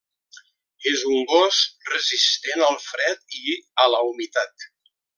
És un gos resistent al fred i a la humitat.